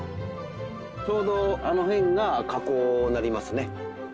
ちょうどあの辺が河口になりますね。